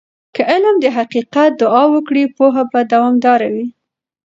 که علم د حقیقت دعا وکړي، پوهه به دوامدار وي.